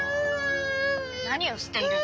何をしている？